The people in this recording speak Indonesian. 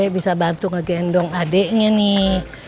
bisa bantu ngegendong adiknya nih